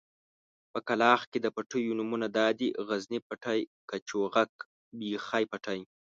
په کلاخ کې د پټيو نومونه دادي: غزني پټی، کچوغک، بېخۍ پټی.